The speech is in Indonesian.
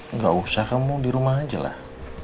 nggak usah kamu di rumah aja lah